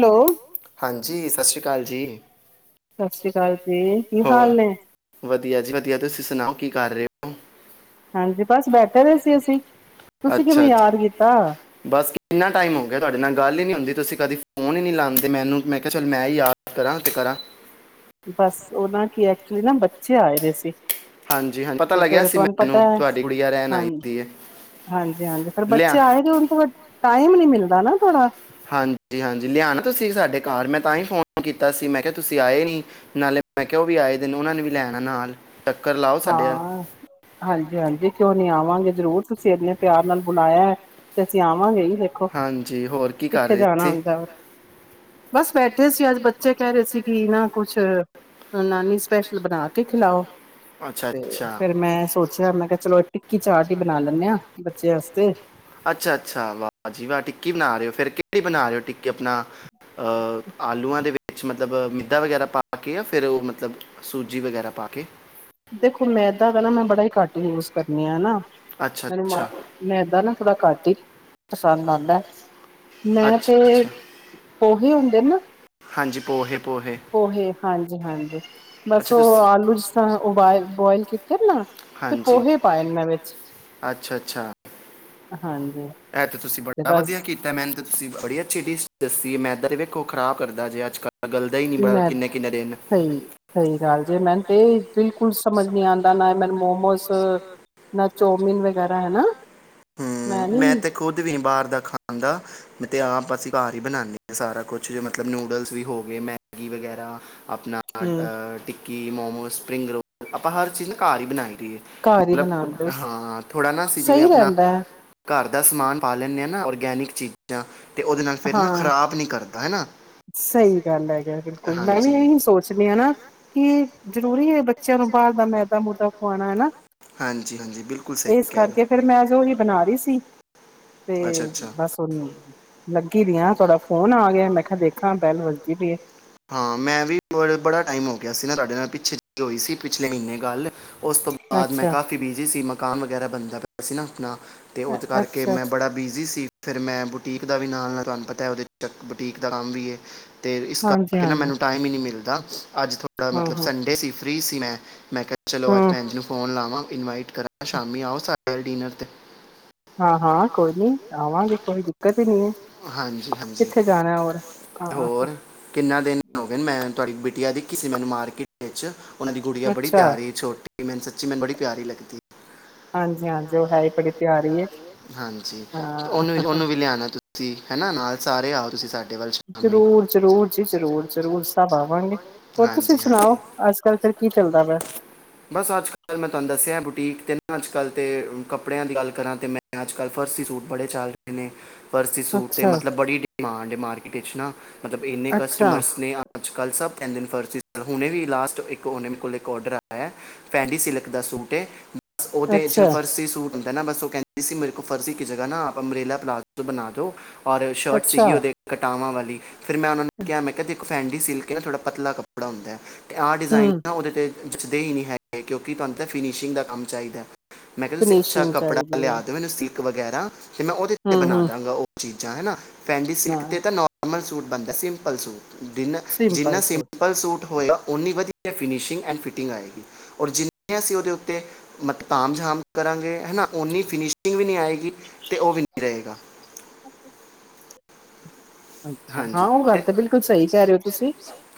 Hello ਹਾਂਜੀ, ਸਤਿ ਸ਼੍ਰੀ ਅਕਾਲ ਜੀ। ਸਤਿ ਸ੍ਰੀ ਅਕਾਲ। ਜੀ ਕੀ ਹੋਰ ਹਾਲ ਨੇ ਵਧੀਆ ਜੀ ਵਧੀਆ, ਤੁਸੀ ਸੁਣਾਓ ਕੀ ਕਰ ਰਹੇ ਹੋ? ਹ ਹਾਂਜੀ, ਬਸ ਬੈਠੇ ਰਹੇ ਸੀ ਅਸੀ। ਅੱਛਾ-ਅੱਛ, ਬਸ ਕਿੰਨਾ ਟਾਈਮ ਹੋ ਗਿਆ ਤੁਹਾਡੇ ਨਾਲ ਗੱਲ ਹੀ ਨਹੀ ਹੁੰਦੀ ਤੁਸੀਂ ਕਦੀ ਫੋਨ ਹੀ ਨਹੀਂ ਲਾਉਂਦੇ ਮੈਨੂੰ ਮੈਂ ਕਿਹਾ ਚੱਲ ਮੈਂ ਹੀ ਯਾਦ ਕਰਾਂ ਤੇ ਕਰਾਂ। ਬਸ ਉਹਨਾਂ ਕਿ ਕਿ ਐਕਚੁਲੀ ਨਾ ਬੱਚੇ ਆਏ ਦੇ ਸੀ। ਹਾਂਜੀ ਹਾਂਜੀ, ਪਤਾ ਤੇ ਲੱਗਿਆ ਫੇਰ ਸੀ ਤੁਹਾਨੂੰ ਪਤਾ ਮੈਨੂੰ ਏ ਤੁਹਾਡੀ ਗੁੜੀਆ ਰਹਿਣ ਆਈ ਹਾਂਜ ਦੀ ਹੈ, ਹਾਂਜੀ-ਹਾਂਜੀ ਫੇਰ ਲਿਆ ਬੱਚੇ ਆਏ ਦੇ ਹੁਣ ਟਾਈਮ ਨੀ ਮਿਲਦਾ ਨਾ ਥੋੜਾ ਹਾਂਜੀ ਹਾਂਜੀ, ਲਿਆਣਾ ਤੁਸੀਂ ਸਾਡੇ ਘਰ ਮੈ ਤਾਂ ਹੀ ਫੋਨ ਕੀਤਾ ਸੀ। ਮੈਂ ਕਿਹਾ ਤੁਸੀਂ ਆਏ ਨੀ ਨਾਲੇ ਮੈ ਕਿਹਾ ਉਹ ਵੀ ਆਏ ਦੇ ਨੇ ਉਹਨਾਂ ਨੂੰ ਵੀ ਲੈਣਾ ਨਾਲ। ਚੱਕਰ ਲਾਓ ਸਾਡੇ ਵੱਲ, ਹਾਂ ਹਾਂਜੀ-ਹਾਂਜੀ ਕਿਉਂ ਨੀ ਆਵਾ ਵਾਂਗੇ ਜਰੂਰ ਤੁਸੀਂ ਇੰਨੇ ਪਿਆਰ ਨਾਲ ਬੁਲਾਇਆ ਤੇ ਅਸੀ ਆਵਾਂਗੇ ਇ ਦੇਖੋ ਹਾਂਜੀ ਹੋਰ ਕੀ ਕਰ ਕਿੱਥੇ ਰਹੇ ਜਾਣਾ ਸੀ? ਹੁੰਦਾ। ਬਸ ਬੈਠੇ ਸੀ, ਅੱਜ ਬੱਚੇ ਕਹਿ ਰਹੇ ਸੀ ਕਿ ਨਾ ਕੁਛ ਨਾਨੀ ਸਪੈਸ਼ਲ ਬਣਾ ਕੇ ਖਿਲਾਓ ਅੱਛਾ ਤੇ ਅੱਛਾ, ਫਿਰ ਮੈ ਸੋਚਿਆ, ਮੈ ਕਿਆ ਚਲੋ ਟਿੱਕੀ ਚਾਟ ਹੀ ਬਣਾ ਲੈਂਦੇ ਹਾਂ ਬੱਚੇ ਵਾਸਤੇ ਅੱਛਾ-ਅੱਛਾ ਵਾਹਜੀ ਵਾਹ ਟਿੱਕੀ ਬਣਾ ਰਹੇ ਹੋ ਫਿਰ ਕੀ ਬਣਾ ਰਹੇ ਹੋ ਟਿਕੀ ਆਪਣਾ ਅਹ ਆਲੂਆਂ ਦੇ ਵਿ ਵਿੱਚ ਮਤਲਬ ਮਿੱਦਾ ਵਗੈਰਾ ਪਾ ਕੇ ਜਾਂ ਫਿਰ ਉਹ ਮਤਲਬ ਸੂਜੀ ਵਗੈਰਾ ਪਾ ਕੇ ਦੇਖੋ ਮੈਦਾ ਦਾ ਨਾ ਮੈਂ ਬੜਾ ਹੀ ਘੱਟ ਯੂਜ ਕਰਨੀ ਆ ਨਾ ਅੱਛਾ ਮੈਨੂੰ ਮ ਅੱਛਾ ਮੈਂਦਾ ਨਾ ਥੋੜਾ ਘ ਪਸੰਦ ਆਦਾ ਮੈਂ ਅੱਛਾ ਤੇ ਅੱਛਾ ਉਹੀ ਹੁੰਦੇ ਨਾ। ਹਾਂਜੀ ਪੋਹੇ ਪੋਹੇ ਹਾਂਜੀ-ਹਾਂਜੀ ਬਸ ਅੱਛਾ ਉਹ ਤੁਸੀਂ ਆਲੂ ਜਿਸ ਤ ਉਬਾਇਲ ਬੋਆਇਲ ਕੀਤੇ ਨਾ ਤੇ ਹਾਂਜੀ ਪੋਹੇ ਪਾਏ ਨਾਂ ਵਿੱਚ। ਅੱਛਾ ਅੱਛਾ ਹਾਂਜੀ। ਸੀਂ ਤੇ ਬੜਾ ਵਧੀਆ ਬਸ ਕੀਤਾ। ਮੈਨੂੰ ਤੁਸੀਂ ਬੜੀ ਅੱਛੀ ਡੀਸ਼ ਦੱਸੀ ਮੈਂਦਾ ਵਖੋ ਖਰਾਬ ਕਰਦਾ ਅੱਜ ਕੱਲ੍ਹ ਗਲਦਾ ਹੀ ਨਹੀਂ ਬੜਾ ਮੈਂ ਕਿੰਨੇ ਕਿੰਨੇ ਦਿਨ ਸਹੀ ਸਹੀ ਗੱਲ ਜੇ ਮੈਨ ਤੇ ਬਿਲਕੁਲ ਸਮਝ ਨੀ ਆਂਦਾ ਨਾ ਮੈਨ ਮੋਮੋਸ ਨਾ ਚੋਮੀਨ ਵਗੈਰਾ ਹੈ ਨਾ। ਹੂੰ ਮੈਂ ਤੇ ਖੁਦ ਵੀ ਬਾਹਰ ਦਾ ਖਾਣ ਦਾ ਮੈ ਤੇ ਆਪ ਅਸੀਂ ਘਰ ਹੀ ਬਣਾਣੇ ਹਾਂ ਸਾਰਾ ਕੁਛ ਮਤਲਬ ਨੂਡਲਸ ਵੀ ਹੋ ਗਏ, ਮੈਗੀ ਵਗੈਰਾ ਆਪਣਾ ਹਮ ਅਹ ਟਿਕ ਕਿ ਮੋਮੋਸ, ਸਪਰਿੰਗ ਰੋਲ ਆਪਾਂ ਹਰ ਚੀਜ਼ ਨਾ ਘਰ ਹੀ ਬਣਾਈ ਦੀ ਘਰ ਹੀ ਮਤਲਬ ਬਣਾ ਲਓ ਹਾਂ ਥੋੜ੍ਹਾ ਨਾ ਅਸੀਂ ਜਿਵੇਂ ਸਹੀ ਅਪਣਾ ਰਹਿੰਦਾ ਹੈ ਘਰ ਦਾ ਸਮਾਨ ਪਾ ਲੈਂਦੇ ਆ ਨਾ ਔਰਗੈਨਿਕ ਚੀਜ਼ਾਂ ਤੇ ਉਹਦੇ ਨਾਲ ਫਿਰ ਨਾ ਹਾਂ ਖਰਾਬ ਨਹੀਂ ਕਰਦਾ ਹੈ ਨਾ ਸਹੀ ਗੱਲ ਹੈਗਾ ਬਿਲਕੁਲ ਮੈਂ ਵੀ ਹਾਂਜੀ ਇਹੀ ਸੋਚਦੀ ਹਾਂ ਨਾ ਕਿ ਜ਼ਰੂਰੀ ਹੈ, ਬੱਚਿਆਂ ਨੂੰ ਬਾਹਰ ਦਾ ਮੈਦਾ ਮੂਦਾ ਖਆਉਣਾ ਹੈ ਨਾ। ਹਾਂਜੀ ਹਾਂਜੀ ਬਿਲਕੁਲ ਸਹੀ ਇਸ ਕਹਿ ਰਹੇ ਹੋ। ਕਰਕੇ ਫੇਰ ਮੈਂ ਅੱਜ ਓ ਹੀ ਬਣਾ ਰਹੀ ਸੀ ਤੇ ਅੱਛਾ ਅੱਛਾ ਬਸ ਓਨੂੰ ਲੱਗੀ ਦੀਆਂ ਤੁਹਾਡਾ ਫੋਨ ਆ ਗਿਆ ਮੈਂ ਕਿਹਾ ਦੇਖਾ ਬਹਿਲ ਵਜਦੀ ਪੀ ਏ। ਹਾਂ ਮੈਂ ਵੀ ਬੜਾ ਟਾਈਮ ਹੋ ਗਿਆ ਸੀ ਨਾ ਤੁਹਾਡੇ ਨਾਲ ਹੋਈ ਸੀ ਪਿਛਲੇ ਮਹੀਨੇ ਗੱਲ ਉਸ ਤੋਂ ਬਾਅਦ ਮੈਂ ਅੱਛਾ ਕਾਫੀ ਬਿਜੀ ਸੀ, ਮਕਾਨ ਵਗੈਰਾ ਬਣਦਾ ਪਿਆ ਸੀ ਨਾ ਆਪਣਾ ਤੇ ਉਹਦੇ ਕਰਕੇ ਅੱਛਾ ਮੈਂ ਅੱਛਾ ਬੜਾ ਬਿਜ਼ੀ ਸੀ ਫਿਰ ਮੈਂ ਬੁਟੀਕ ਦਾ ਵੀ ਨਾਲ, ਨਾਲ ਤੁਹਾਨੂੰ ਪਤਾ ਹੈ ਉਹਦੇ ਚੱਕ ਬੁਟੀਕ ਦਾ ਨਾਮ ਵੀ ਹੈ ਤੇ ਤਾਂ ਹਾਂਜੀ ਕੇਨਾ ਹਾਂਜੀ ਮੈਨੂੰ ਟਾਈਮ ਹੀ ਨਹੀਂ ਮਿਲ [unintelligible] ਅੱਜ ਥੋੜਾ ਹਾਂ ਮਤਲਬ ਹਾਂ ਸੰਡੇ ਸੀ ਫਰੀ ਸੀ ਮੈਂ ਮੈਂ ਕਿਹਾ ਚਲੋ ਅੱਜ ਹਮ ਭੈਂਣ ਜੀ ਨੂੰ ਫੋਨ ਲਾਵਾਂ। ਇਨਵਾਈਟ ਕਰਾਂ ਸ਼ਾਮੀ ਆਓ ਸਾਡੇ ਡਿਨਰ ਤੇ ਹਾਂ ਹਾਂ ਕੋਈ ਨੀ ਆਵਾਂਗੇ ਕੋਈ ਕਦੇ ਨੀ ਹੈ। ਹਾਂਜੀ ਹਾਂਜੀ ਕਿੱਥੇ ਜਾਣਾ ਹੋਰ ਹਾਂ ਹੋਰ ਕਿੰਨਾ ਦਿਨ ਹੋ ਗਏ ਮੈਂ ਤੁਹਾਡੀ ਬੇਟੀਆ ਦੀ ਕਿਸੇ ਮੈਨੂੰ ਮਾਰਕੀਟ ਵਿੱਚ ਉਹਨਾਂ ਦੀ ਗੁੜੀ ਬੜੀ ਅੱਛਾ ਪਿਆਰੀ ਛੋਟੀ ਮੈਨੂੰ ਸੱਚੀ ਮੈਨੂੰ ਬੜੀ ਪਿਆਰੀ ਲੱਗਦੀ ਹਾਂਜੀ ਹਾਂਜੀ ਉਹ ਹੈ ।ਹੈਹੀ ਬੜੀ ਪਿਆਰੀ ਹੈ। ਹਾਂਜੀ ਤੇ ਉਹਨੂੰ ਹਾਂ ਉਹਨੂੰ ਵੀ ਲਿਆਉਣਾ ਤੁਸੀ ਤੁਸੀ ਹਨਾ ਨਾਲ ਸਾਰੇ ਆ ਤੁਸੀ ਸਾਡੇ ਜ਼ਰੂਰ ਜ਼ਰੂਰ ਜੀ ਜ਼ਰੂਰ ਜ਼ਰੂਰ ਸਭ ਆਵਾਂਗੇ ਹੋਰ ਤੁਸੀਂ ਹਾਂਜੀ ਹਜੀ ਸੁਣਾਓ ਅੱਜ ਕੱਲ ਫਿਰ ਕੀ ਚੱਲਦਾ ਵਾ ਬਸ ਅੱਜ ਕੱਲ ਮੈਂ ਤੁਹਾਨੂੰ ਦੱਸਿਆ ਬੁਟੀਕ ਤੇ ਨਾ ਅਜ ਕੱਲਤੇ ਕੱਪੜਿਆਂ ਦੀ ਗੱਲ ਕਰਾਂ ਤੇ ਮੈਂ ਅਜ ਕੱਲ ਫਰਸੀ ਸੂਟ ਬੜੇ ਚੱਲ ਰਹੇ ਨੇ ਪਰਸੀ ਸੂਟ ' ਅੱਛਾ ਮਤਲਬ ਬੜੀ ਡਿਮਾਂਡ ਹੈ। ਮਾਰਕਿਟ 'ਚ ਨਾ ਮਤਲਬ ਇੰਨੇ ਅੱਛਾ ਕਸਟਮਰਸ ਨੇ ਅੱਜ ਕੱਲ੍ਹ ਸਭ ਕੇਦੇ ਫਰਸੀ, ਹੁਣੇ ਵੀ ਲਾਸਟ ਇੱਕ ਉਹੇ ਕੋਲ ਇੱਕ ਔਡਰ ਆਇਆ ਫੈਂਡੀ ਸਿਲਕ ਦਾ ਸੂਟ ਏ ਬਸ ਉਹਦੇ ਵਿੱਚ ਅੱਛਾ ਫਰਸੀ ਸੂਟ ਇਨਾ ਬੱਸੋ ਇਸੀ ਫਰਜ਼ੀ ਕੀ ਜ੍ਹਾ ਨਾ ਆਪ ਅੰਮਰੇਲਾ ਪਲਾਜ਼ੋ ਬਣਾ ਦੋ ਔਰ ਸ਼ਰਟ ਅੱਛਾ ਸੀਗੀ ਉਹਦੇ ਕਟਾਵਾਂ ਵਾਲੀ [unintelligible] ਫਿਰ ਮੈਂ ਉਹਨਾਂ ਨੇ ਕਿਹਾ ਮੈਂ ਦੇਖੋ ਫੈਂਡੀ ਸਿਲਕ ਹੈ, ਥੜਾ ਪਤਲਾ ਕੱੜਾ ਹੁੰਦਾ ਹੈ। ਆਹ ਡਿਜ਼ਾਇਨ ਹਮ ਆਉਹਦੇ 'ਤੇ ਜੱਚਦੇ ਹੀ ਨਹੀ ਹੈਗੇ ਕਿਉਂਕਿ ਤੁਹਾਨੂੰ ਤਾਂ ਫਿਨਿਸ਼ਿੰਗ ਦਾ ਕੰਮ ਚਾਹੀਦਾ ਮੈਂ ਕਿਹਾ ਇਸ ਤੋਂ ਅੱਛਾ ਫਿਨਿਸ਼ਿੰਗ ਕੱਪੜਾ ਚਾਹੀਦੀ ਲਿਆ ਹੈ ਦੇ ਮੈਨੂੰ ਸੀ ਵਗੈਰਾ ਫੇਰ ਮੈਂ ਉਹਦੇ ਉਤੇ ਹਮ ਬਣਾ ਹਮ ਦਾਂਗਾ ਉਹ ਚੀਜ਼ ਚਾਈਨਾ ਫੈਂਡੀ ਸਿਲਕ ਹਾਂ ਤੇ ਤਾਂ ਨੋਰਮਲ ਸੂਟ ਬੰਦਾ ਸਿੰਪਲ ਸੂਟ ਜਿੰਨਾ ਸਿੰਪਲ ਸੂਟ ਹੋਏਗਾ, ਉਨੀ ਵਧੀਆ ਫਿਨਸ਼ਿੰਗ ਐਡ ਫਿਟਿੰਗ ਆਏਗੀ ਔਰ ਜਿੰਨੇ ਅਸੀਂ ਉਹਦੇ ਉੱਤੇ ਕਾਮ ਜਾਮ ਕਰਾਂਗੇ ਹਨਾ ਉਨੀ ਫਿਨਿਸ਼ਿੰਗ ਵੀ ਨਹੀ ਆਏਗੀ। ਤੇ ਉਹ ਵੀ ਨਹੀ ਰਹੇਗਾ। ਅੱਛਾ ਹਾਂ ਹਾਂਜੀ ਉਹ ਤੇ ਗੱਲ ਤਾਂ ਬਿਲਕੁਲ ਸਹੀ ਕਹਿ ਰਹੇ ਹੋ ਤੁਸੀਂ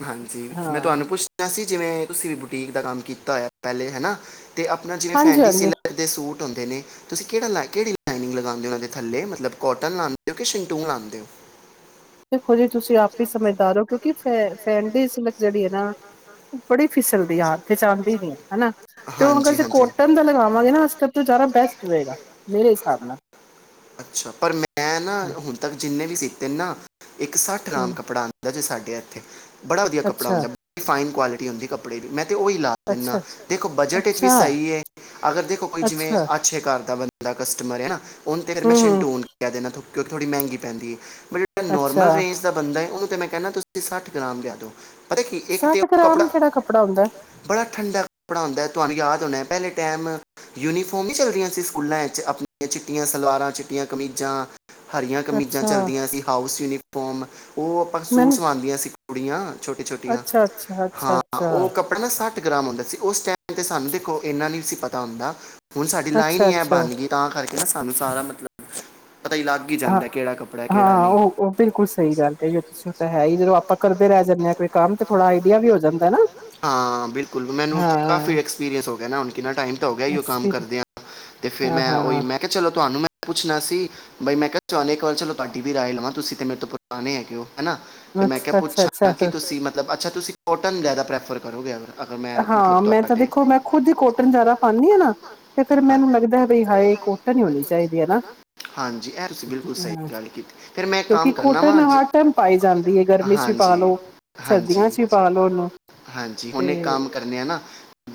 ਹਾਂਜੀ ਹਾਂ। ਮੈਂ ਤੁਹਾਨੂੰ ਪੁੱਛਣਾ ਸੀ ਜਿਵੇਂ ਤੁਸੀਂ ਵੀ ਬੁਟੀਕ ਦਾ ਕੰਮ ਕੀਤਾ ਹੋਇਆ, ਪਹਿਲੇ ਹੈਨਾ। ਅਤੇ ਆਪਣਾ ਜਿਵੇਂ ਹਾਂਜੀ ਹਾਂਜੀ ਫੈਂਡੀਸਿਲਕ ਦੇ ਸੂਟ ਤੁਸੀ ਕਿਹੜੀ ਲਾਨੀਗ ਲਗਾਉਦੇ ਥੱਲੇ ਮਤਬਲ ਕੋਟਨ ਲਾਦੇ ਜਾ ਟਿਸੁ ਲਾਦੇ ਔ। ਦੇਖੋ, ਜੀ ਤੁਸੀਂ ਆਪ ਹੀ ਸਮਝਦਾਰ ਔ। ਫੈ ਫੈਡੀ ਸਿਲਕ ਜਿਹੜੀ ਹੈ, ਨਾ ਉਹ ਬੜੀ ਫਿਸਲਦੀ ਆ। ਤੇ ਚਾਹੁੰਦੇ ਨੀ ਹੈ ਹਨਾ, ਤੇ ਉਹ ਅਗਰ ਹਾਂਜੀ ਜੇ ਹਾਂਜੀ ਕੋਟਨ ਦਾ ਲਗਾਵਾਂਗੇ ਨਾ ਅਸੀ ਸਭ ਤੋਂ ਜ਼ਿਆਦਾ ਬੈਸਟ ਰਹੇਗਾ ਮੇਰੇ ਹਿਸਾਬ ਨਾਲ ਅੱਛਾ, ਪਰ ਮੈਂ ਨਾ ਹੁਣ ਤੱਕ ਜਿੰਨੇ ਵੀ ਸੀ। ਤਿੰਨਾ, ਇੱਕ ਸੱਠ ਗਰਾਮ ਕੱਪੜਾ ਆਦਾ ਜੇ ਸਾਡੇ ਇੱਥੇ ਬੜਾ ਵਧੀਆ ਕੱਪੜਾ ਅੱਛਾ ਆਦਾ ਫਾਈਨ ਕੁਆਲਟੀ ਹੁੰਦੀ ਕੱੜੇ ਦੀ ਮ ਉਹੀ ਹੀ ਲਾ ਦਿੰਨਾ ਅੱਛਾ, ਦੇਖੋ ਬਜਟ ਵਿੱਚ ਅੱਛਾ, ਵੀ ਸਹੀ ਹੈ, ਅਗਰ ਦੇਖੋ ਜਿਵੇਂ ਅੱਛਾ, ਅੱਛੇ ਘਰ ਦਾ ਬੰਦਾ ਕਸਟਮਰ ਹੈ ਨਾ ਉਹ ਮੈਂਛਨ ਹੂੰ-ਹੂੰ, ਟੁਨ ਕਹਿ ਦੇਣਾ ਕਿ ਥੋੜੀ ਮਹਿੰਗੀ ਪੈਂਦੀ ਹੈ। ਜਿਹੜਾ ਅੱਛਾ। ਨੋਰਮਲ ਰੇਂਜ ਦਾ ਬੰਦਾ ਹੈ ਉਹਨੂੰ, ਤੇ ਮੈਂ ਕਹਿੰਦਾ ਤੁਸੀਂ ਸੱਠ ਗ੍ਰਾਮ ਲਿਆ ਦੋ। ਪਤਾ ਕੀ ਇੱਕ ਤਾਂ ਸੱਠ ਉਹ ਗ੍ਰਾਮ ਕੱਪੜਾ ਕਿਹੜਾ ਕੱਪੜਾ ਹੁੰਦਾ ਐ? ਬੜਾ ਠੰਡਾ ਕੱਪੜਾ ਹੁੰਦਾ ਤੁਹਾਨੂੰ ਯਾਦ ਹੋਣਾ। ਪਹਿਲੇ ਟੈਮ ਯੂਨੀਫੋਮ ਹੀ ਚੱਲਦੀਆਂ ਸੀ, ਸਕੂਲਾਂ ਚ ਆਪਣੀਆਂ ਚਿੱਟੀਆਂ ਸਲਵਾਰ ਚਿੱਟੀਆਂ ਕਮੀਜ਼ਾਂ ਹਰੀਆਂ ਕਮੀਜ਼ਾਂ ਅੱਛਾ, ਚੱਲਦੀਆਂ ਸੀ, ਹਾਊਸ ਯੂਨੀਫਾਰਮ ਉਹ ਆਪਾਂ ਸੂਟ ਮੈਨੂੰ ਸਵਾਦੀਆਂ ਸੀ। ਕੁੜੀਆਂ ਛੋਟੀ- ਛੋਟੀਆਂ ਅੱਛਾ, ਅੱਛਾ, ਅੱਛਾ, ਹਾਂ, ਅੱਛਾ, ਉਹ ਕੱਪੜਾ ਨਾ ਸਾਟ ਗ੍ਰਾਮ ਹੁੰਦਾ ਸੀ ਉਸ ਟਾਈਮ ਤੇ ਸਾਨੂੰ ਦੇਖੋ ਇੰਨਾ ਨਹੀਂ ਸੀ ਪਤਾ ਹੁੰਦਾ। ਹੁਣ ਸਾਡੀ ਅੱਛਾ, ਲਾਈਨ ਹੈ ਅੱਛਾ। ਬਣ ਗਈ ਤਾਂ ਕਰਕੇ ਨਾ ਸਾਨੂੰ ਸਾਰਾ ਪਤਾ ਹੀ ਲੱਗ ਹੀ ਜਾਂਦਾ ਕਿਹੜਾ ਕੱਪੜਾ ਹੈ, ਕਿਹੜਾ ਹਾਂ-ਹਾਂ, ਨਹੀਂ ਉਹ ਬਿਲਕੁਲ ਸਹੀ ਗੱਲ ਕਹੀ ਤੁਸੀਂ ਉਹ ਤਾਂ ਹੈ ਹੀ ਜਦੋਂ ਆਪਾਂ ਕਰਦੇ ਰਹਿ ਜਾਂਦੇ ਆ ਕੋਈ ਕੰਮ ਤੇ ਥੋੜਾ ਆਈਡੀਆ ਵੀ ਹੋ ਜਾਂਦਾ ਨਾ, ਹਾਂ, ਬਿਲਕੁਲ ਮੈਨੂੰ ਕਾਫੀ ਹਾਂ ਐਕਸਪੀਰੀੰਸ ਹੋ ਗਿਆ ਨਾ ਹੁਣ, ਕਿੰਨਾ ਟਾਈਮ ਤਾਂ ਹੋ ਗਿਆ ਕੰਮ ਐਕਸਪੀਰੀ ਕਰਦਿਆਂ ਤੇ ਫਿਰ ਹਾਂ, ਮੈਂ ਉਹੀ ਹਾਂ। ਮੈਂ ਕਿਹਾ ਚਲੋ ਤੁਹਾਨੂੰ ਮ ਪੁੱਛਣਾ ਸੀ, ਬਈ ਮੈਂ ਕਿਹਾ ਚਣੇ ਇੱਕ ਵਾਰ ਚਲੋ ਤੁਹਾਡੀ ਵੀ ਰਾਏ ਲਵਾਂ ਤੁਸੀਂ ਤੇ ਮੇਰੇ ਤੋਂ ਪੁਰਾਣੇ ਹੈਗੇ ਹੋ। ਹੈਨਾ ਤੇ ਮੈਂ ਕਿਹਾ ਅੱਛਾ, ਅੱਛਾ, ਪੁੱਛਾਂ। ਅੱਛਾ, ਤਾਕਿ ਤੁਸੀਂ ਮਤਲਬ ਅੱਛਾ, ਤੁਸੀਂ ਕੋਟਨ ਜ਼ਿਆਦਾ ਪ੍ਰੈਫਰ ਕਰੋਗੇ ਅਰ ਹਾਂ, ਮੈਂ ਤਾਂ ਦੇਖੋ ਮੈਂ ਖੁੱਦ ਹੀ ਕੋਟਨ ਜ਼ਿਆਦਾ ਪਾਉਦੀ ਹਾਂ ਨਾ, ਤੇ ਫੇਰ ਮੈਨੂੰ ਲੱਗਦਾ ਹੈ ਹਾਏ ਕੋਟਨ ਹੀ ਹੋਣੀ ਚਾਹੀਦੀ ਹੈ ਨਾ ਹਾਂਜੀ ਇਹ ਤੁਸੀਂ ਬਿਲਕੁਲ ਸਹੀ ਗੱਲ ਕੀਤੀ ਫਿਰ ਮੈਂ ਇੱਕ ਕਿਉਂਕਿ ਕੰਮ ਕਰਨਾ ਕੋਟਨ ਵਾਂ ਜ- ਹਰ ਟਾਈਮ ਪਾਈ ਜਾਂਦੀ ਹੈ ਗਰਮੀ 'ਚ ਵੀ ਪਾ ਲੋ। ਹਾਂਜੀ- ਸਰਦੀਆਂ ਹਾਂਜੀ ਚ ਵੀ ਪਾ ਲੋ ਉਹਨੂੰ -ਹਾਂਜੀ, ਤੇ ਉਹਨੇ ਕੰਮ ਕਰਨੇ ਆ ਨਾ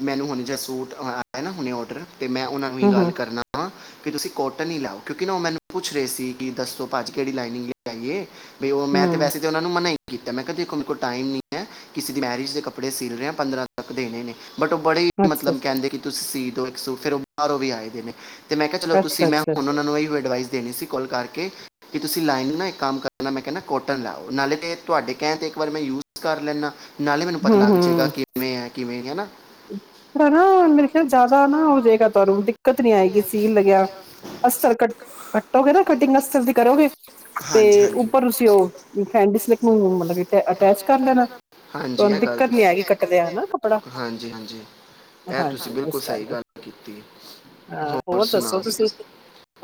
ਮੈਨੂੰ ਹੁਣ ਜਿ ਸੂਟ ਆਇਆ ਨਾ ਹੁਣੇ ਔਡਰ ਅਤੇ ਮੈਂ ਉਹਨਾਂ ਨੂੰ ਹੀ ਹੂੰ ਹੂੰ ਗੱਲ ਕਰਨਾ ਵਾਂ। ਕਿ ਤੁਸੀਂ ਕੋਟਨ ਹੀ ਲਾਓ ਕਿਉਂਕਿ ਨਾ ਉਹ ਮੈਨੂੰ ਪੁੱਛ ਰਹੇ ਸੀ ਕਿ ਦੱਸੋ ਭਾਅ ਜੀ ਕੇ ਕਿਹੜੀ ਲਾਈਨਿੰਗ ਲਾਗੀਏ। ਵੀ ਉਹ ਮੈਂ ਤਾਂ ਹੂੰ ਵੈਸੇ ਤਾਂ ਉਹਨਾਂ ਨੂੰ ਮਨਾਈ ਕੀਤਾ ਮੈਂ ਕਦੇ ਹੁਣ ਮੇਰੇ ਕੋ ਟਾਈਮ ਨੀ ਹੈੇ ਕਿਸੀ ਦੇ ਮੈਰਿਜ ਦੇ ਕੱਪੜੇ ਸੀਲ ਰਿਆਂ ਪੰਦਰਾਂ ਤੱਕ ਦੇਣੇ ਨੇ। ਬਟ ਉਹ ਬੜੇ ਹੀ ਅੱਛਾ ਮਤਲਬ ਕਹਿੰਦੇ। ਤੁਸੀਂ ਸੀ ਦੋ ਇੱਕ ਸੂਟ ਫਿਰ ਉਹ ਬਾਹਰੋਂ ਵੀ ਆਏ ਦੇ ਨੇ। ਤੇ ਮੈਂ ਕਿਹਾ ਚਲੋ ਤੁਸੀ ਅੱਛਾ ਮੈਂ ਅੱਛਾ ਹੁਣ ਉਹਨਾਂ ਇਹ ਅਡਵਾਈਸ ਦੇਣੀ ਸੀ ਕੋਲ ਕਰਕੇ ਕਿ ਤੁਸੀਂ ਲਾਈਨਿੰਗ ਨਾ ਇੱਕ ਕੰਮ ਕਰਨਾ ਮੈਂ ਕਹਿਣਾ ਕੋਟਨ ਲਾਓ ਨਾਲੇ ਤੇ ਤੁਹਾਡੇ ਕਹਿਣ ਤੇ ਵਾਰੀ ਮੈਂ ਯੂਜ ਕਰ ਲੈਂਦਾ। ਨਾਲੇ ਮੈਨੂੰ ਪਤਾ ਲੱਗ ਜਾਏਗਾ ਕਿਵੇਂ ਹੈ ਕਿਵੇਂ ਨੀ ਹੈਨਾ। ਕੱਪੜਾ ਨਾ ਮੇਰੇ ਖਿਆਲ ਜਿਆਦਾ ਨਾ ਹੋ ਜਾਏਗਾ ਤੁਹਾਨੂੰ, ਦਿੱਕਤ ਨੀ ਆਏਗੀ ਸੀ ਲੱਗਿਆ ਅਸਤਰ ਕੱਟ ਕੱਟੋਗੇ ਨਾ ਕਟਿੰਗ ਅਸਤਰ ਦੀ ਕਰੋਗੇ ਤੇ ਹਾਂਜੀ ਹਾਂਜੀ ਉੱਪਰ ਤੁਸੀਂ ਉਹ ਫੈਂਡੀ ਸਿਲਕ ਨੂੰ ਮਤਲਬ ਕਿ ਅਟੈਚ ਕਰ ਲੈਣਾ ਹਾਂਜੀ ਤੁਹਾਨੂੰ ਇਹ ਗੱਲ ਦਿੱਕਤ ਨੀ ਤੁਸੀਂ ਆਏਗੀ ਕੱਟਦਿਆ ਨਾ ਕੱਪੜਾ ਇਹ ਤੁਸੀਂ ਹਾਂਜੀ ਬਿਲਕੁਲ ਇਸ ਸਹੀ ਕਰਕੇ ਗੱਲ ਕੀਤੀ ਹਾਂ ਹੋਰ ਦੱਸੋ ਸੁਣਾਓ ਤੁਸੀਂ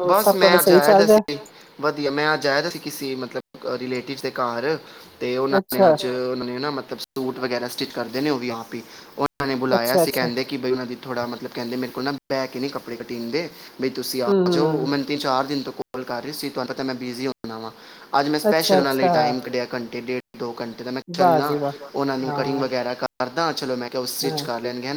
ਹੋਰ ਬਸ ਸਭ ਮੈਂ ਤੁਹਾਡਾ ਅਜ ਸਹੀ ਆਇਆ ਜਾ ਚੱਲ ਰਿਹਾ ਸੀ ਵਧੀਆ ਮੈਂ ਅਜ ਆਇਆ ਦਾ ਸੀ ਕਿਸੇ ਮਤਲਬ ਰਲੇਟਿਵ ਦੇ ਘਰ ਤੇ ਉਹ ਮੈਂ ਅੱਛਾ ਅੱਜ [unintelligible] ਉਹਨੇ ਨਾ ਮ ਸੂਟ ਵਗੈਰਾ ਸਟਿਚ ਕਰਦੇ ਨੇ ਉਹ ਵੀ ਆਪ ਈ ਔ ਉਹਨਾਂ ਨੇ ਬੁਲਾਆ ਅੱਛਾ ਸੀ ਅੱਛਾ ਕਿੰਦੇ ਕਿ ਬਈਨਾ ਦੀ ਥੋੜਾ ਮਤਲਬ ਕਹਿੰਦੇ ਮੇਰੇ ਕੋਲ ਨਾ ਬੈ ਕੇ ਨਹੀਂ ਕੱਪੜੇ ਕੱਟੀ ਦੀਦੇ। ਬਈ ਤੁਸੀਂ ਆ ਹੂੰ ਜਾਓ ਹੂੰ ਮੈਨੂੰ ਤੇ ਚਾਰ ਦਿਨ ਤੋਂ ਉਪਲ ਕਰ ਰਹੀ ਸੀ ਤੁਹਾਨੂੰ ਪ ਮੈਂ ਬਿਜ਼ੀ ਹੁੰਦਾ ਵਾਂ। ਅੱਜ ਸਪੈਸ਼ਲ ਇਂਨਾ ਲਈ ਅੱਛਾ-ਅੱਛਾ, ਟਾਈਮ ਕੱਢਿਆ ਘੰਟ ਏ ਡੇ ਦੋ ਘੰਟੇ ਦਾ ਮੈਂ ਵਾਹ ਚੱਲਣਾ ਜੀ ਵਾਹ, ਉਹਨਾਂ ਨੂੰ ਕਟਿੰਗ ਹਾਂ, ਵਗੈਰਾ ਕਰਦਾ ਚਲੋ ਮੈਂ ਕਿਹਾ ਉਹ ਸਟਿੱਚ ਹਾਂ। ਕਰ ਲੈਣਗੇ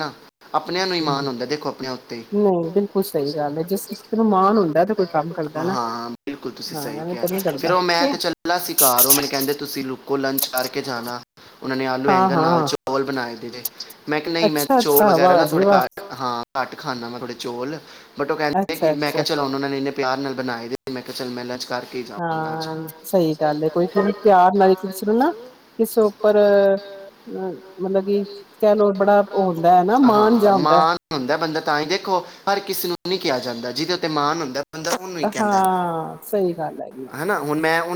ਆਪਣਿਆਂ ਨੂੰ ਹੀ ਮਾਣ ਹੁੰਦਾ ਦੇਖੋ ਆਪਨੇ ਉੱਤੇ ਨਹੀਂ ਬਿਲਕੁਲ ਸਹੀ ਗੱਲ ਐ, ਜਿਸ ਕਿਸੇ ਨੂੰ ਮਾਣ ਹੁੰਦਾ ਤੇ ਕੋਈ ਕੰਮ ਕਰਦਾ ਨਾ। ਹਾਂ ਬਿਲਕੁਲ ਤੁਸੀਂ ਹਾਂ, ਸਹੀ ਐਵੇਂ ਕਿਹਾ ਤਾਂ ਨੀ ਫਿਰ ਕਰਦਾ, ਉਹ ਮੈਂ ਤੇ ਚੱਲਾ ਸੀ ਘਰ ਉਹ ਮੈਨੂੰ ਕਹਿੰਦੇ ਤੁਸੀਂ ਲੁ ਕੋ ਲੰਚ ਕਰਕੇ ਜਾਣਾ। ਉਹਨਾਂ ਨੇ ਆਲੂ ਬੈਗਨ ਨਾਲ ਹਾਂ-ਹਾਂ। ਚੋਲ ਬਣਾਏ ਮੈਂ ਕਿਹਾ ਨਹੀਂ ਮੈਂ ਚੋਲ ਅੱਛਾ-ਅੱਛਾ, ਵਗੈਰਾ ਵਾਹ ਨਾ ਜੀ ਥੋੜੇ ਵਾਹ, ਘਟ ਹਾਂ ਘੱਟ ਖਾਨਾ ਮੈਂ ਥੋੜੇ ਚੌਲ ਬਟ ਉਹ ਕਹਿੰਦੇ ਕਿ ਮੈਂ ਕਿਹਾ ਅੱਛਾ-ਅੱਛਾ, ਚਲੋ ਉਹਨਾਂ ਨੇ ਇਹਨੇ ਪਿਆਰ ਨਾਲ ਬਣਾਏ ਦੇ ਮੈਂ ਕਿਹਾ ਚਲ ਮੈਂ ਲੰਚ ਕਰਕੇ ਹੀ ਜਾਵਾਂਗਾ ਅੱਜ ਹਾਂ ਸਹੀ ਗੱਲ ਹੈ ਕੋਈ ਕਿਊ ਨੀ ਪਿਆਰ ਨਾਲ ਹੀ ਸਹੀ ਮਤਲਬ ਕਿ ਕਹਿ ਲਓ ਬੜਾ ਉਹ ਹੁੰਦਾ ਹੈ ਨਾ ਮਾਣ ਹਾਂ ਜਾ ਹੁੰਦਾ, ਹੈ। ਮਾਂਣ ਹੁੰਦਾ ਬੰਦਾ ਤਾਂ ਹੀ ਦੇਖੋ ਹਰ ਕਿਸੇ ਨੂੰ ਨੀ ਕਿਹਾ ਜਾਂਦਾ ਜੀ ਦੇ ਉੱਤੇ ਮਾਣ ਹੁੰਦਾ ਏ ਹਾਂ ਸਹੀ ਗੱਲ ਹੈ ਜੀ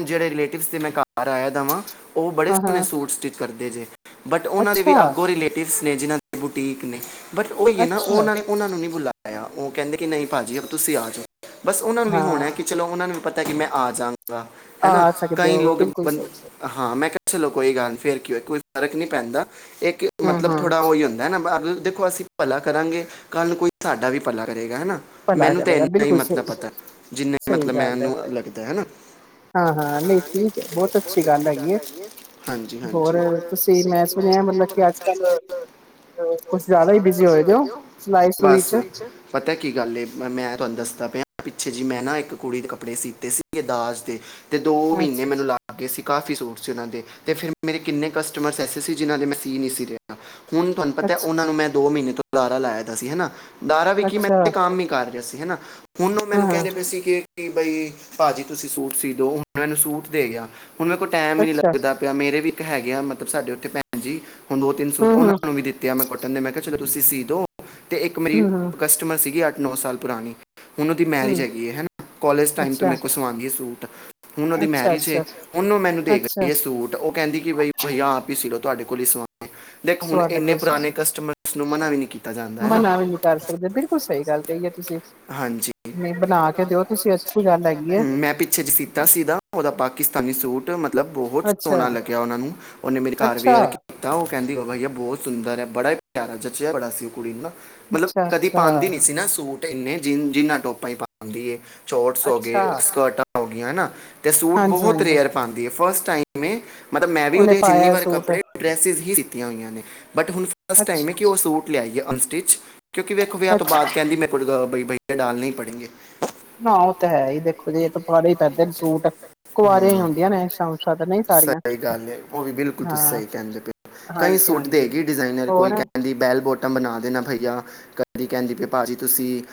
ਜਿੜੇ ਰਿਲੇਟਿਵ ਦੇ ਮੈਂ ਘਰ ਆਇ ਦਾ ਉਹ ਬੜੇ ਸੋਹਣੇ ਹਾਂ-ਹਾਂ, ਸੂਟ ਸਟਿਚ ਕਰਦੇ ਜੇ ਬਟ ਉਹਨਾਂ ਦੇ ਵੀ ਅੱਗੋਂ ਅੱਛਾ-ਅੱਛਾ, ਰਿਲੇਟਿਵਸ ਨੇ ਜਿਨ੍ਹਾਂ ਬੁਟੀਕ ਨੇ ਬਟ ਉਈਏ ਨਾ ਉਹਨਾਂ ਨੇ ਉਹਨਾਂ ਨੂੰ ਨਹੀਂ ਬੁਲਾਇਆ ਉਹ ਕਹਿੰਦੇ ਕਿ ਨਹੀਂ ਭਾਅ ਜੀ ਤੁਸੀਂ ਆ ਜਾਓ ਬਸ ਉਹਨਾਂ ਨੂੰ ਵੀ ਹੋਣਾ ਹਾਂ ਹੈ ਕਿ ਚਲੋ ਉਹਨਾਂ ਨੂੰ ਵੀ ਪਤਾ ਕਿ ਮੈਂ ਆ ਜਾਾਂਗਾ ਹੈ ਨਾ ਆ ਸਕਦੇ ਕਈ ਹੋ ਲੋਕ ਬਿਲਕੁਲ ਬ ਸਹੀ, ਹਾਂ ਮੈਂ ਕਿਹਾ ਚਲੋ ਕੋਈ ਗੱਲ ਫੇਿਰ ਕਿਂ ਕੋਈ ਫ਼ਰਕ ਨਹੀਂ ਪੈਂਦਾ ਇੱਕ ਮਤਲਬ ਹੂੰ-ਹੂੰ। ਥੋੜ੍ਹਾ ਉਹੀ ਹੁੰਦਾ ਨਾ ਦੇਖੋ ਅਸੀਂ ਭਲਾ ਕਰਾਂਗੇ ਕੱਲ੍ਹ ਨੂੰ ਕੋਈ ਸਾਡਾ ਵੀ ਭਲਾ ਕਰੇਗਾ ਹੈ ਨਾ ਭਲਾ ਕਰੇਗਾ ਬਿਲਕੁਲ ਸਹੀ ਏ ਜਿੰਨੇ ਸਹੀ ਮਤਲਬ ਗੱਲ ਹੈ ਮੈਨੂੰ ਲੱਗਦਾ ਹੈ ਨਾ ਹਾਂ ਹਾਂ ਨਹੀਂ ਠੀਕ ਹੈ ਬਹੁਤ ਅੱਛੀ ਗੱਲ ਹੈਗੀ ਹੈ ਹੋਰ ਤੁਸੀਂ ਮੈਂ ਸੁਣਿਆ ਮਤਲਬ ਕਿ ਅੱਜ ਕੱਲ ਕੁਛ ਜ਼ਿਆਦਾ ਹੀ ਬਿਜ਼ੀ ਹੋਏ ਦੇ ਹੋ ਸਿਲਾਈ ਸਲੂਈ ਬਸ ਚ ਪਤਾ ਏ ਕੀ ਗੱਲ ਏ ਮੈਂ ਤੁਹਾਨੂੰ ਦੱਸਦਾ ਪਿਆ ਪਿੱਛੇ ਜੀ ਮੈਂ ਨਾ ਇੱਕ ਕੁੜੀ ਦੇ ਕੱਪੜੇ ਸੀਤੇ ਸੀਗੇ ਦਾਜ ਦੇ ਤੇ ਦੋ ਮਹੀਨੇ ਅੱਛਾ ਮੈਨੂੰ ਲੱਗ ਗਏ ਸੀ ਕਾਫੀ ਸੂਟ ਸੀਨਾਂ ਦੇ ਫਿਰ ਮੇਰੇ ਕਿੰਨੇ ਕਸਟਮਰੇ ਸੀ ਜਿਨਾਂ ਦੇ ਮੈਂ ਸੀ ਨਹੀਂ ਸੀ ਰਿਹਾ ਹੁਣ ਤੁਹਾਨੂੰ ਪਤਾ ਅੱਛਾ ਉਹਨਾਂ ਨੂੰ ਮੈਂ ਦੋ ਮਹੀਨੇ ਲਾਰਾ ਲਾਇਆ ਦਾ ਸੀ ਹਨਾ। ਦਾਰਾ ਵਿਕੀ ਮੈਂ ਅੱਛਾ ਇ ਕੰਮ ਨ ਕਰ ਰਿਹਾ। ਅਸੀ ਹਨਾ ਹੁਣ ਉਹ ਹਾਂ ਮੈਨੂੰ ਹਾਂ ਕਹਿਦੇ ਪਏ ਸੀ ।ਕਿ ਕਿ ਬਈ ਭਾਜੀ ਤੁਸੀਂ ਸੂਟ ਸੀਦੋ ਹੁਣ ਇਹਨੂੰ ਸੂਟ ਦੇ ਗਿਆ। ਹੁਣ ਮੇਰੇ ਕੋਲ ਟਾਈਮ ਹੀ ਨੀ ਅੱਛਾ ਲਗਦਾ ਪਿਆ ਮੇਰੇ ਵੀ ਹੈਗੇ ਆ ਮਤਲਬ ਸਾਡੇ ਉੱਥੇ ਭੈਣ ਜੀ ਹੁਣ ਦੋ ਤਿੰਨੂ ਸੂਟ ਹਮ ਉਹ ਹਮ ਨੂੰ ਵੀ ਦਿੱਤੇ ਮੈਂ ਮੈਨੇ ਮੈਂ ਕਿਹਾ ਚਲੋ ਤੁਸੀਂ ਸੀ ਦੋ ਅਤੇ ਇੱਕ ਮੇਰੀ ਹਮ ਹਮ ਕਸਟਮਰ ਸੀਗੀ ਆ ਨੌ ਸਾਲ ਪੁਰਾਣੀ ਹੁਣ ਉਹਦੀ ਮੈਰਿਜ ਹਮ ਹੈਗੀ ਹੈ। ਕੋਲੇਜ ਟਾਈਮ ਤੋਂ ਅੱਛਾ ਮੇਰੇਲ ਸਵਾਉਂਦੀ ਹੈ ਸੂਟ [inaudible] ਹੁਣ ਉਹਦੀ ਅੱਛਾ ਮੈਰਿਜ ਏ ਅੱਛਾ ੳ ਮੈਨੂੰ ਦੇ ਗੀ ਅੱਛਾ ਹੈ ਸੂਟ, ਉਹ ਕਹਿੰਦੀ ਕਿ ਬਈ ਆਪ ਸੀ ਤੁਹਾਡੇ ਕੋਲ ਸਮ ਦੇਖ ਹੁਣ ਸਵਾਦ ਇੰਨੇ ਪੁਰਾਣੇ ਕਸਟਮਰ ਉਸ ਨੂੰ ਮਨਾ ਵੀ ਨਹੀਂ ਕੀਤਾ। ਜਾਂਦਾ ਹੈ ਨਾ ਬਣਾ ਵੀ ਨਹੀਂ ਕਰ ਸਕਦੇ ਬਿਲਕੁਲ ਸਹੀ ਗੱਲ ਕਹੀਏ ਤੁਸੀਂ ਹਾਂਜੀ ਬਣਾ ਕੇ ਦਿਓ ਤੁਸੀਂ ਅੱਛੀ ਗੱਲ ਹੈਗੀ ਹਮ, ਹੈ। ਮੈਂ ਪਿੱਛੇ ਜੀ ਸੀਤਾ ਸੀਦਾ ਉਹਦਾ ਪਾਕਿਸਤਾਨੀ ਸੂਟ ਮ ਮਤਲਬ ਬਹੁਤ ਅੱਛਾ ਸੋਹਣਾ ਲੱਗਿਆ ਉਹਨਾਂ ਨੂੰ ਉਹਨੇ ਮੇਰੇ ਘਰ ਵੀ ਅੱਛਾ ਆਰ ਕੀਤਾ। ਕਹਿੰਦੀ ਵਾਈ ਬਹੁਤ ਸੁੰਦਰ ਹੈ ਬੜਾ ਹੀ ਪਿਆ ਜਚਿਆ ਬੜਾ ਕੁੜੀ ਨੂੰ ਨਾ ਮਤਲਬ ਅੱਛਾ ਕਦੀ ਅੱਛਾ ਪਾਉਂਦੀ ਨੀ ਸੀ ਨਾ ਸੂਟ ਇੰਨੇ ਜਿ ਜਿੰਨਾ ਟੋਪਾਂ ਹੀ ਪਾਉਂਦੀ ਏ ਸੋਰਟਸ ਹੋ ਅੱਛਾ ਗਏ ਸਕਰਟਾਂ ਹੋ ਗਿਆਂ ਹਨਾ। ਅਤੇ ਸੂਟ ਹਾਂਜੀ ਬਹੁਤ ਹਾਂਜੀ ਤੇ ਅਰਉਦੀ ਹੈ ਫਸਟ ਟਾਈਮ ਮੈਂ ਮਤਲਬ ਮੈਂ ਵੀ ਉਹਨੇ ਉਹਦੇ ਜਿੰਨੀ ਪਾਇਆ ਵਾਰ ਸੂਟ ਕੱਪੜੇ ਡਰੈਸਿਸ ਹੀ ਜਿੱਤੀਆਂ ਹੋਈਆਂ ਨੇ ਬਟ ਹੁਣ ਫਸਟ ਟਾਈਮ ਹੈ ਅੱਛਾ ਕਿ ਉਹ ਸੂਟ ਲਿਆਈ ਏ ਅਨਸਟਿਚ ਕਿਉਂਕਿ ਵੇਖ ਵਿਆਹ ਤੋਂ ਅੱਛਾ ਬਾਅਦ ਕਹਿੰਦੀ ਮੈਂ ਭਈਆ ਡਾਲਣੇ ਹੀ ਪੜੇਗੇ। ਨਾ ਉਹ ਤਾਂ ਹੈ ਹੀ ਦੇਖੋ ਜੇ ਇਹ ਤਾਂ ਪਾੜੇ ਹੀ ਪੈਂਦੇ ਨੇ ਸੂਟ ਕੁਆਰਿਆਂ ਹੀ ਹੁੰਦੀਆਂ ਨੇ ਐਸ਼ਾਂ ਉਸ਼ਾਂ ਸਹੀ ਗੱਲ ਹੈ ਉਹ ਵੀ ਬਿਲਕੁਲ ਤੁਸੀ ਹਾਂ ਸਹੀ ਕਹਿੰਦੇ ਪਏ ਹੋ ਕਈ ਹਾਂਜੀ ਸੂਟ ਹਾਂਜੀ ਦੇਗੀ ਡਿਜ਼ਾਇਨਰ ਕੋਈ ਹੋਰ ਕਹਿੰਦੀ ਬੈਲ ਬੋਟ ਆਟਮ ਬਣਾ ਦੇਣਾ ਭਈਆ ਕਦੀ ਕਹਿੰਦੀ ਵੀ ਭਾਜੀ ਤੁਸੀਂ